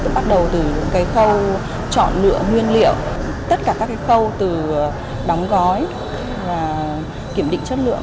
bắt đầu từ khâu chọn lựa nguyên liệu tất cả các cái khâu từ đóng gói và kiểm định chất lượng